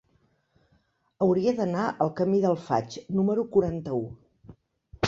Hauria d'anar al camí del Faig número quaranta-u.